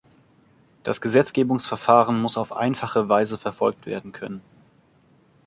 Das Gesetzgebungsverfahren muss auf einfache Weise verfolgt werden können.